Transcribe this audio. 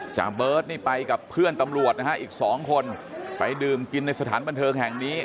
เบิร์ตนี่ไปกับเพื่อนตำรวจนะฮะอีกสองคนไปดื่มกินในสถานบันเทิงแห่งนี้